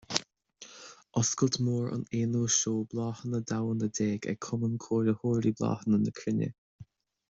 Oscailt Mór an aonú Seó Bláthanna Domhanda déag ag Cumann Cóiritheoirí Bláthanna na Cruinne.